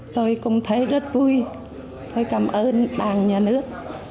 tôi cũng thấy rất vui tôi cảm ơn đảng nhà nước